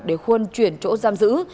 để huân chuyển chỗ giam giữ